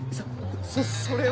そそれは。